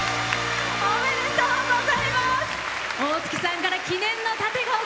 おめでとうございます！